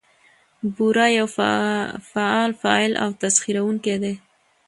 بورا يو فعال فاعل او تسخيروونکى دى؛